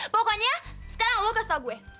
pokoknya sekarang lo kasih tau gue